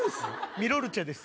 ミロルチェです